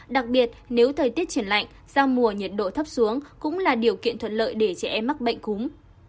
đặc biệt nếu thời tiết chuyển lạnh giao mùa nhiệt độ thấp xuống cũng là điều kiện thuận lợi để trẻ em mắc bệnh cúm